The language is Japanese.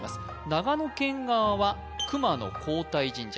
長野県側は熊野皇大神社